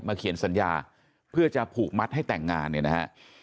เขียนสัญญาเพื่อจะผูกมัดให้แต่งงานเนี่ยนะฮะ